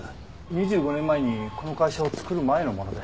２５年前にこの会社を作る前のもので。